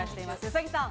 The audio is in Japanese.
兎さん。